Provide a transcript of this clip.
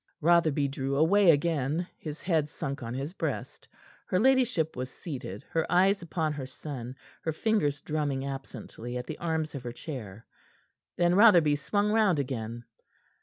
Rotherby drew away again, his head sunk on his breast. Her ladyship was seated, her eyes upon her son, her fingers drumming absently at the arms of her chair. Then Rotherby swung round again.